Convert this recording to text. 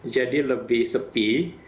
jadi lebih sepi